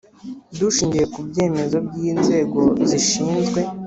dushingiye ku byemezo by inzego zishinzwe